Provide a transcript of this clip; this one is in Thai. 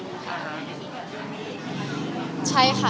ใช่ค่ะคือจริงอะ